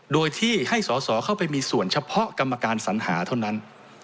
โดยที่ให้สอสอเข้าไปมีส่วนเฉพาะกรรมการสัญหาเท่านั้น